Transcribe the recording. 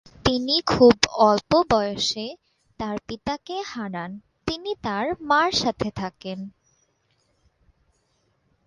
তিনি খুব অল্প বয়সে তার পিতাকে হারান, তিনি তার মার সাথে থাকেন।